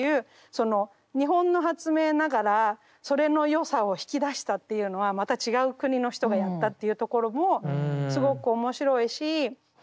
その日本の発明ながらそれの良さを引き出したっていうのはまた違う国の人がやったっていうところもすごく面白いし。